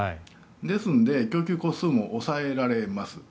ですので供給戸数も抑えられます。